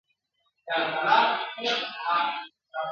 زموږ په رنګ درته راوړي څوک خوراکونه؟ ..